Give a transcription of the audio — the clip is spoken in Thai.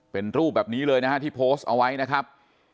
เป็นรูปแบบนี้เลยนะฮะที่โพสต์เอาไว้นะครับ